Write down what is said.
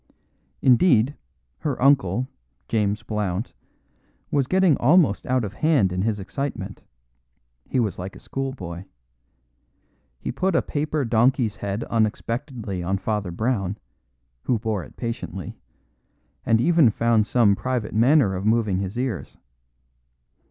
Indeed, her uncle, James Blount, was getting almost out of hand in his excitement; he was like a schoolboy. He put a paper donkey's head unexpectedly on Father Brown, who bore it patiently, and even found some private manner of moving his ears.